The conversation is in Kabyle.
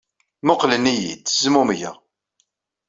Mmuqqlen-iyi-d, zmumgen.